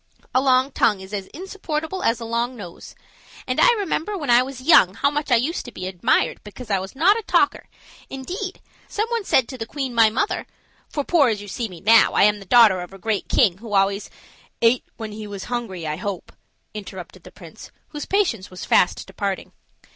A long tongue is as insupportable as a long nose; and I remember when I was young how much I used to be admired because I was not a talker; indeed, some one said to the queen my mother for poor as you see me now, I am the daughter of a great king, who always " "Ate when he was hungry, I hope," interrupted the prince, whose patience was fast departing.